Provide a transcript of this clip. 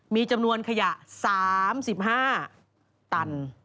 มีจำนวนขยะ๓๕ตัน